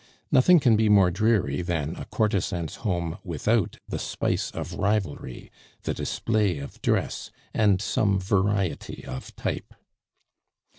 Nothing can be more dreary than a courtesan's home without the spice of rivalry, the display of dress, and some variety of type.